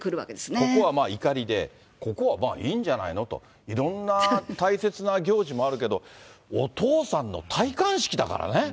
ここは怒りで、ここはもういいんじゃないのと、いろんな大切な行事もあるけど、お父さんの戴冠式だからね。